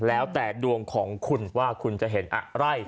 แล้วแต่ดวงของคุณว่าคุณจะเห็นอะไร